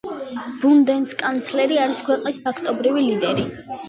ბუნდესკანცლერი არის ქვეყნის ფაქტობრივი ლიდერი.